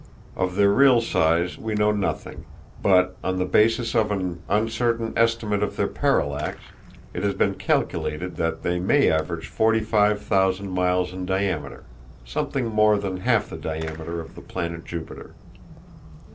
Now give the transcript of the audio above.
Of their real size we know nothing, but, on the basis of an uncertain estimate of their parallax, it has been calculated that they may average forty five thousand miles in diameter—something more than half the diameter of the planet Jupiter.